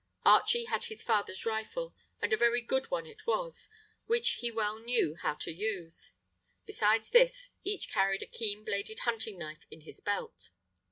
Archie had his father's rifle, and a very good one it was, which he well knew how to use. Besides this each carried a keen bladed hunting knife in his belt.